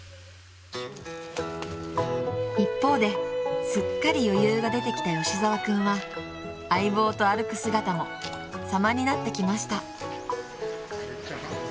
［一方ですっかり余裕が出てきた吉澤君は相棒と歩く姿も様になってきました］